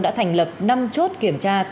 đã thành lập năm chốt kiểm tra